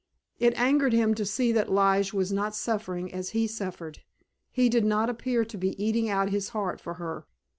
It angered him to see that Lige was not suffering as he suffered. He did not appear to be eating out his heart for her.